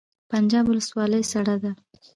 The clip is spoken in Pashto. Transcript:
پنجاب ولسوالۍ سړه ده؟